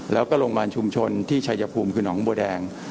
แล้วก็โรงพยาบาลชุมชนที่ชายภูมิคือหนองบัวแดง